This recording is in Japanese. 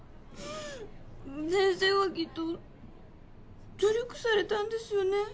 先生はきっと努力されたんですよね？